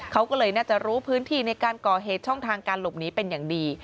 เขาก็เลยน่าจะรู้พื้นที่ในการก่อเหตุช่องทางการหลบหนีเป็นอย่างดี